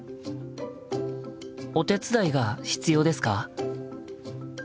お手伝いが必要ですか？